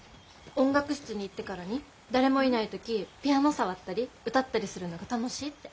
音楽室に行ってからに誰もいない時ピアノ触ったり歌ったりするのが楽しいって。